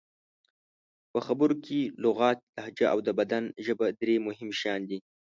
په خبرو کې لغت، لهجه او د بدن ژبه درې مهم شیان دي.